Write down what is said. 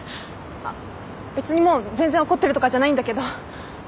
あっ別にもう全然怒ってるとかじゃないんだけど。